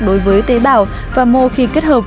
đối với tế bào và mô khi kết hợp